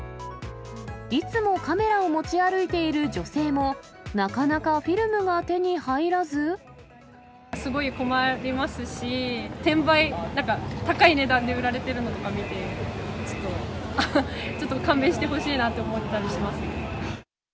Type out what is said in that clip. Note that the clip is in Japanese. いつもカメラを持ち歩いている女性も、すごい困りますし、転売、なんか、高い値段で売られてるのとか見て、ちょっと、ちょっと勘弁してほしいなって思ったりしますね。